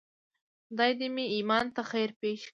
خدای دې مې ایمان ته خیر پېښ کړي.